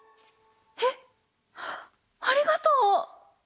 えっありがとう！